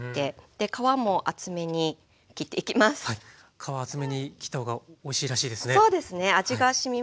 皮厚めに切った方がおいしいらしいですね。